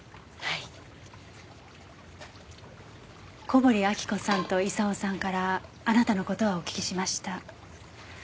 小堀明子さんと功さんからあなたの事はお聞きしました。